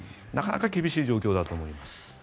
なかなか厳しい状況だと思います。